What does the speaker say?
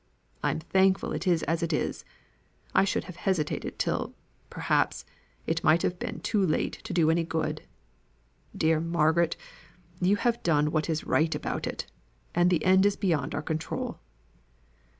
I'm thankful it is as it is; I should have hesitated till, perhaps, it might have been too late to do any good. Dear Margaret, you have done what is right about it; and the end is beyond our control."